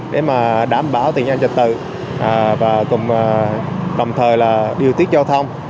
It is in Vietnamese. để mà đảm bảo tình hình an ninh trật tự và cùng đồng thời là điều tiết giao thông